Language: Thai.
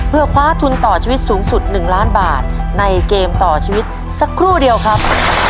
เพื่อคว้าทุนต่อชีวิตสูงสุด๑ล้านบาทในเกมต่อชีวิตสักครู่เดียวครับ